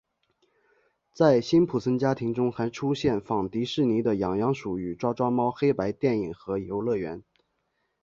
在辛普森家庭中还出现仿迪士尼的痒痒鼠与抓抓猫黑白电影和游乐园。